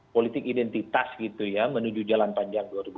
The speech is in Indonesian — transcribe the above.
politik identitas gitu ya menuju jalan panjang dua ribu dua puluh